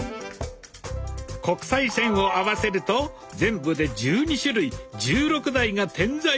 国際線を合わせると全部で１２種類１６台が点在。